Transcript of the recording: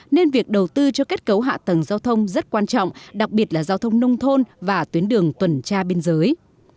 nên việc đầu tư cho kết cấu hạ tầng giao thông rất quan trọng đặc biệt là giao thông nông thôn và tuyến đường tuần tra biên giới